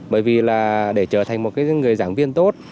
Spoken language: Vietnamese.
bởi vì là để trở thành một người giảng viên tốt